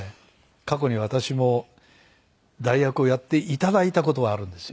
過去に私も代役をやっていただいた事はあるんですよ。